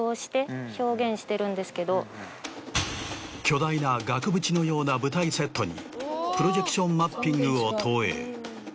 巨大な額縁のような舞台セットにプロジェクションマッピングを投影。